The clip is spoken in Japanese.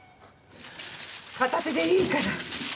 片手でいいから。